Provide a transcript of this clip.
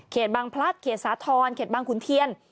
บางพลัดเขตสาธรณ์เขตบางขุนเทียน